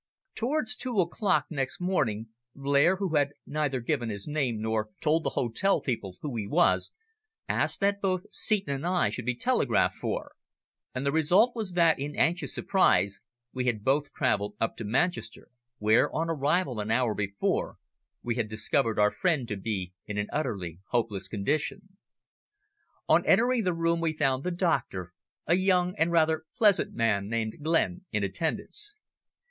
Towards two o'clock next morning, Blair, who had neither given his name nor told the hotel people who he was, asked that both Seton and I should be telegraphed for, and the result was that in anxious surprise we had both travelled up to Manchester, where on arrival, an hour before, we had discovered our friend to be in an utterly hopeless condition. On entering the room we found the doctor, a young and rather pleasant man named Glenn, in attendance.